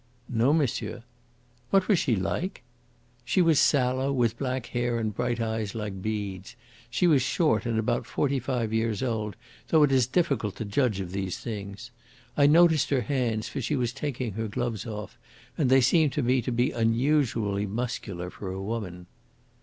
"No, monsieur." "What was she like?" "She was sallow, with black hair and bright eyes like beads. She was short and about forty five years old, though it is difficult to judge of these things. I noticed her hands, for she was taking her gloves off, and they seemed to me to be unusually muscular for a woman."